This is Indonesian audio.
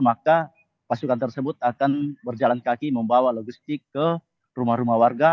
maka pasukan tersebut akan berjalan kaki membawa logistik ke rumah rumah warga